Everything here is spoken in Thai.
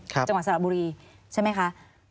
จังหวัดสารบุรีใช่มั้ยคะ